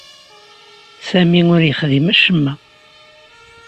Sami ur yexdim acemma.